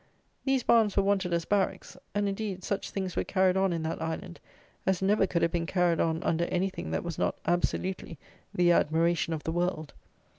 These barns were wanted as barracks; and, indeed, such things were carried on in that Island as never could have been carried on under anything that was not absolutely "the admiration of the world."